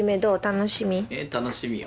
楽しみよ。